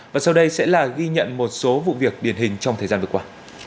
và sau đây sẽ là ghi nhận một số vụ việc điển hình trong thời gian vừa qua